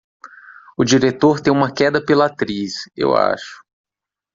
O diretor tem uma queda pela atriz, eu acho.